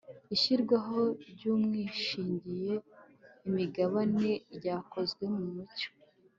ishyirwaho ry'uwishingiye imigabane ryakozwe mu mucyo